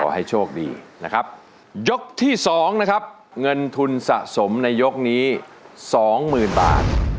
ขอให้โชคดีนะครับยกที่๒นะครับเงินทุนสะสมในยกนี้๒๐๐๐๐บาท